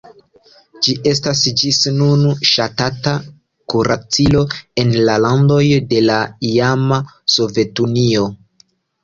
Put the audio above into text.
Ĝi estas ĝis nun ŝatata kuracilo en la landoj de la iama Sovetunio.